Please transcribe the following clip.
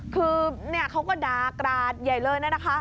คือเนี่ยเขาก็ดากราศใหญ่เลยนะนะคะ